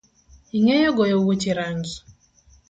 Ing’e goyo wuoche rangi?